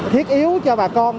thiết yếu cho bà con